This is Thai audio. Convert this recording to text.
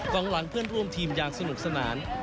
หลังเพื่อนร่วมทีมอย่างสนุกสนาน